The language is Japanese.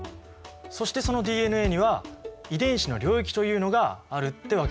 そしてそのＤＮＡには遺伝子の領域というのがあるってわけか。